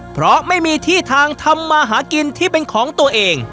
เพราะไม่มีที่ทางทำมาหากินที่เป็นของตัวเอง